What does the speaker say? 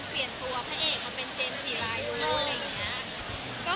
สวัสดีค่ะ